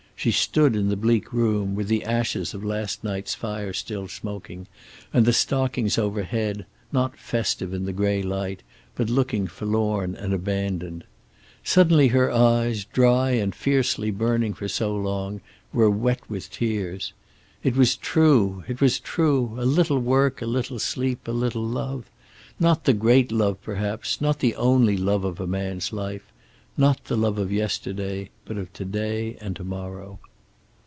She stood in the bleak room, with the ashes of last night's fire still smoking, and the stockings overhead not festive in the gray light, but looking forlorn and abandoned. Suddenly her eyes, dry and fiercely burning for so long, were wet with tears. It was true. It was true. A little work, a little sleep, a little love. Not the great love, perhaps, not the only love of a man's life. Not the love of yesterday, but of to day and to morrow.